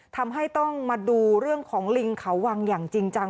ทำให้ต้องมาดูเรื่องของลิงเขาวังอย่างจริงจัง